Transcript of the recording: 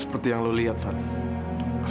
seperti yang lo lihat sana